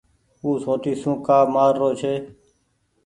او سوٽي سون ڪآ مآر رو ڇي۔